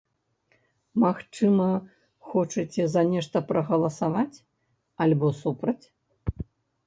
Магчыма, хочаце за нешта прагаласаваць, альбо супраць?